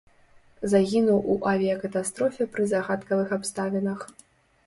Загінуў у авіякатастрофе пры загадкавых абставінах.